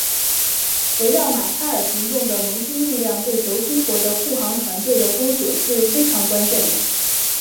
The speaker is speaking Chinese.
围绕马耳他行动的盟军力量对轴心国的护航船队的封锁是非常关键的。